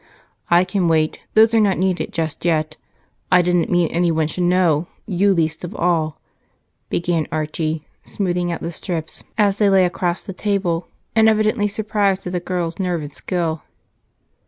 "I can wait those are not needed just yet. I didn't mean anyone should know, you least of all," began Archie, smoothing out the strips as they lay across the table and evidently surprised at the girl's nerve and skill.